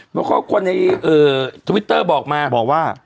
เพราะคนทวิทเตอร์บอกมา